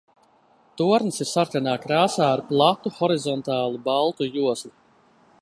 Tornis ir sarkanā krāsā ar platu, horizontālu baltu joslu.